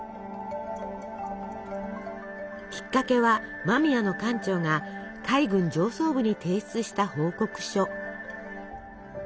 きっかけは間宮の艦長が海軍上層部に提出した報告書。